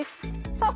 さあ